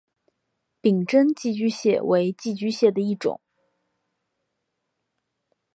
柄真寄居蟹为寄居蟹的一种。